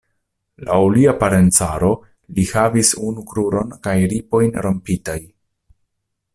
Laŭ lia parencaro, li havis unu kruron kaj ripojn rompitaj.